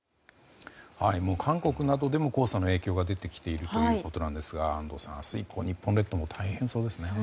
韓国などでも黄砂の影響が出てきているようですが安藤さん、明日以降日本列島も大変そうですね。